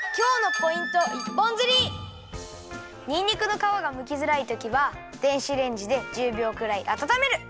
ここでにんにくのかわがむきづらいときは電子レンジで１０びょうくらいあたためる！